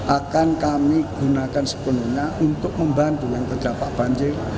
akan kami gunakan sepenuhnya untuk membantu yang terdampak banjir